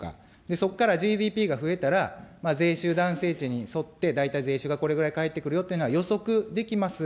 そこからＧＤＰが増えたら、税収だんせい値に沿って大体税収がこれぐらい返ってくるよというのは予測できます。